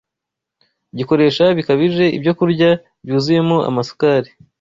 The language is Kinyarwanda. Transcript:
Gikoresha bikabije ibyokurya byuzuyemo amasukari